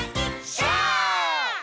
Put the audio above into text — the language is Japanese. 「シャー」